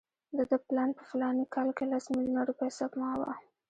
د ده پلان په فلاني کال کې لس میلیونه روپۍ سپما وه.